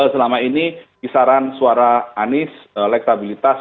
selama ini kisaran suara anies elektabilitas